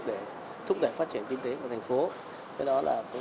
để thúc đẩy phát triển kinh tế của thành phố